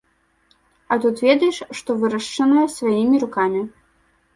А тут ведаеш, што вырашчанае сваімі рукамі.